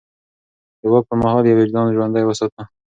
د واک پر مهال يې وجدان ژوندی وساته.